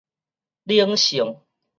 冷性